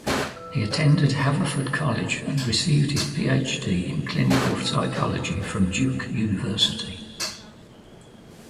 He attended Haverford College and received his PhD in clinical psychology from Duke University.